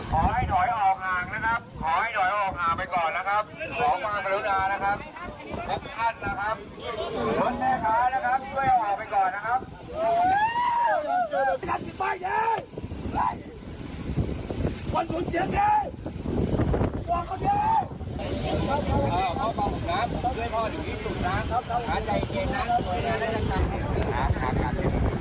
ร้อนแม่ค้านะครับที่ไว้เอาออกไปก่อนนะครับ